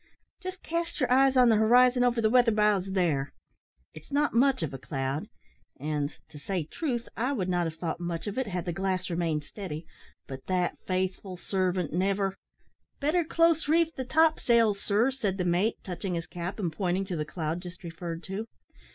Just cast your eyes on the horizon over the weather bows there; it's not much of a cloud, and, to say truth, I would not have thought much of it had the glass remained steady, but that faithful servant never " "Better close reef the top sails, sir," said the mate, touching his cap, and pointing to the cloud just referred to.